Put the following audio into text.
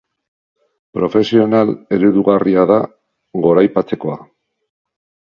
Profesional eredugarria da, goraipatzekoa.